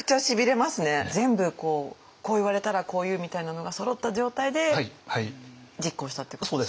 全部こう言われたらこう言うみたいなのがそろった状態で実行したってことですか。